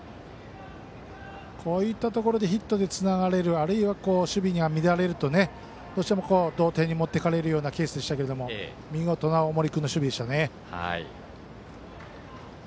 こういったところでヒットでつながれるあるいは、守備は乱れるとどうしても同点に持っていかれるようなケースでしたが見事な大森君の守備でしたね。